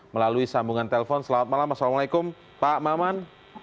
selamat malam assalamualaikum pak maman